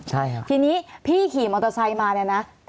ใช่ครับทีนี้พี่ขี่มอเตอร์ไซค์มาเนี่ยนะ